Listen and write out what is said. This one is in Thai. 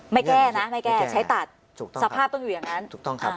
ไม่แก้นะไม่แก้ใช้ตัดสภาพต้องอยู่อย่างนั้นถูกต้องครับ